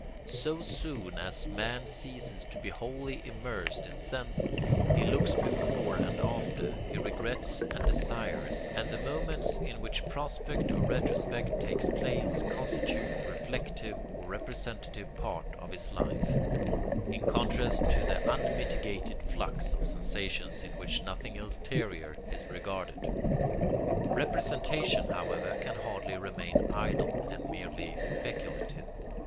So soon as man ceases to be wholly immersed in sense, he looks before and after, he regrets and desires; and the moments in which prospect or retrospect takes place constitute the reflective or representative part of his life, in contrast to the unmitigated flux of sensations in which nothing ulterior is regarded. Representation, however, can hardly remain idle and merely speculative.